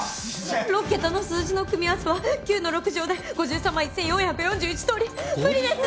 ６桁の数字の組み合わせは９の６乗で５３万１，４４１通り無理です。